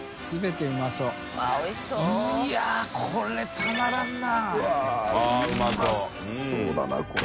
うまそうだなこれ。